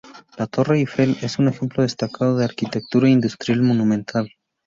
La Torre Eiffel es un ejemplo destacado de arquitectura industrial monumental.